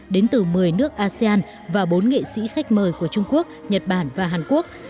đến từ một mươi nước asean và bốn nghệ sĩ khách mời của trung quốc nhật bản và hàn quốc